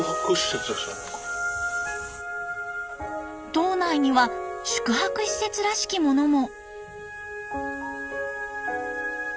島内には宿泊施設らしきものも。